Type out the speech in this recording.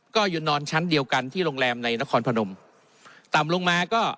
ก็อยู่นอนชั้นเดียวกันที่โรงแรมในนครพนมต่ำลงมาก็